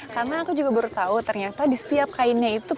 karena aku juga baru tahu ternyata di setiap kainnya itu